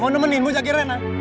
mau nemeninmu jaga rina